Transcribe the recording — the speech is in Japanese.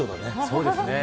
そうですね。